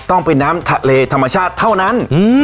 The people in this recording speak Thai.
ต้องเป็นน้ำทะเลธรรมชาติเท่านั้น